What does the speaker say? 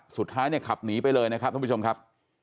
สุดท้ายเนี่ยขับหนีไปเลยนะครับท่านผู้ชมครับ